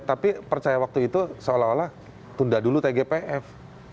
tapi percaya waktu itu seolah olah tunda dulu tgpf